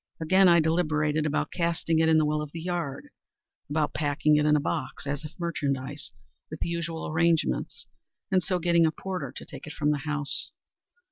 Again, I deliberated about casting it in the well in the yard—about packing it in a box, as if merchandise, with the usual arrangements, and so getting a porter to take it from the house.